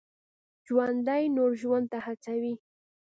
ژوندي نور ژوند ته هڅوي